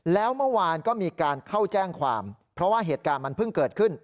แล้วเมื่อวานก็มีการเข้าแจ้งความเพราะว่าเหตุการณ์มันเพิ่งเกิดขึ้น